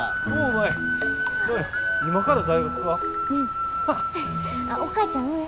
お母ちゃん上？